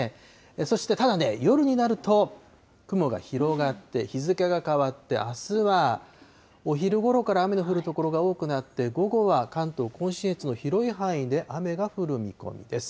そして、ただね、夜になると、雲が広がって、日付が変わって、あすはお昼ごろから雨の降る所が多くなって、午後は関東甲信越の広い範囲で雨が降る見込みです。